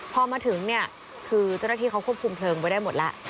พอมาถึงเนี่ยคือเจ้าหน้าที่เขาควบคุมเพลิงไว้ได้หมดแล้ว